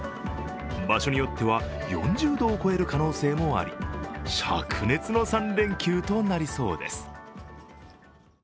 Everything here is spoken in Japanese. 場所によっては、４０度を超える可能性もありしゃく熱の３連休となりそうです。